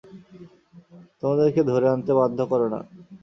তোমাদেরকে ধরে আনতে বাধ্য করো না।